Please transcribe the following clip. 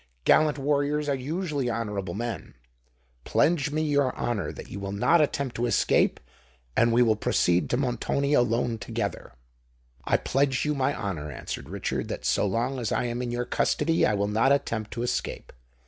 Gallant warriors are usually honourable men: pledge me your honour that you will not attempt to escape; and we will proceed to Montoni alone together." "I pledge you my honour," answered Richard, "that so long as I am in your custody, I will not attempt to escape.